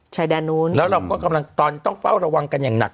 ชายแดนต้อนต้องเฝ้าระวังกันอย่างหนัก